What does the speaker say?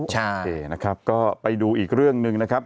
โอเคนะครับก็ไปดูอีกเรื่องหนึ่งนะครับ